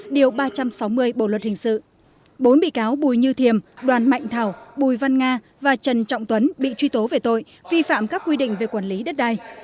điều ba trăm sáu mươi bộ luật hình sự bốn bị cáo bùi như thiềm đoàn mạnh thảo bùi văn nga và trần trọng tuấn bị truy tố về tội vi phạm các quy định về quản lý đất đai